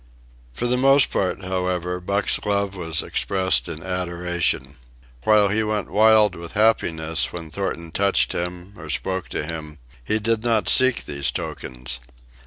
For the most part, however, Buck's love was expressed in adoration. While he went wild with happiness when Thornton touched him or spoke to him, he did not seek these tokens.